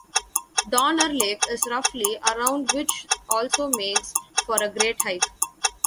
Donner lake is roughly around which also makes for a great hike.